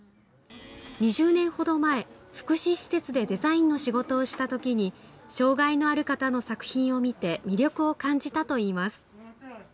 ２０年ほど前、福祉施設でデザインの仕事をしたときに、障害のある方の作品を見て魅力を感じたといいます。